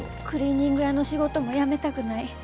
クリーニング屋の仕事も辞めたくない。